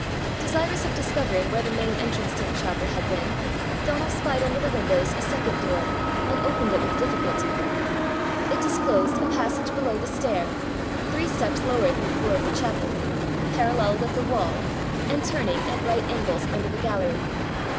Desirous of discovering where the main entrance to the chapel had been, Donal spied under the windows a second door, and opened it with difficulty. It disclosed a passage below the stair, three steps lower than the floor of the chapel, parallel with the wall, and turning, at right angles under the gallery.